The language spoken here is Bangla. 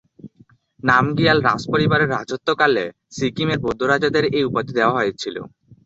নামগিয়াল রাজপরিবারের রাজত্বকালে সিকিমের বৌদ্ধ রাজাদের এই উপাধি দেওয়া হয়েছিল।